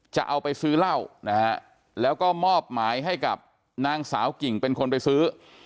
จะเอาไปซื้อเหล้านะฮะแล้วก็มอบหมายให้กับนางสาวกิ่งเป็นคนไปซื้อ